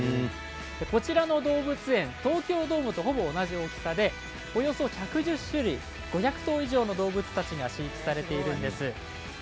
こちらの動物園東京ドームとほぼ同じ大きさで１１０種類４００匹以上の動物たちが飼育されています。